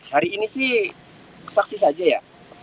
hari ini sih saksi saja ya